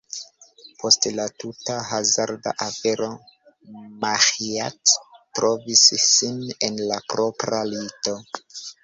Post la tuta hazarda afero, Maĥiac trovis sin en la propra lito.